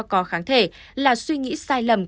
có kháng thể là suy nghĩ sai lầm